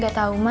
gak tau ga enak